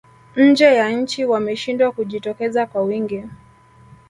nje ya nchi wameshindwa kujitokeza kwa wingi